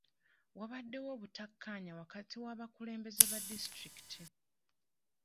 Waabaddewo obutakkaanya wakati w'abakulembeze ba disitulikiti.